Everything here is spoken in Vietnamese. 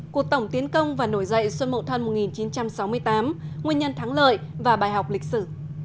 cuộc tổng tiến công và nổi dậy xuân mậu thân một nghìn chín trăm sáu mươi tám nguyên nhân thắng lợi và bài học lịch sử